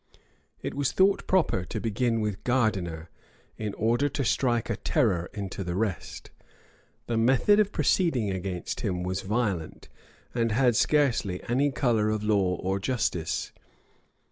It was thought proper to begin with Gardiner, in order to strike a terror into the rest. The method of proceeding against him was violent, and had scarcely any color of law or justice.